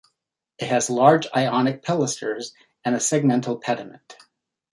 It has large Ionic pilasters and a segmental pediment.